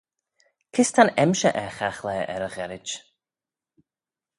Kys ta'n emshir er chaghlaa er y gherrid?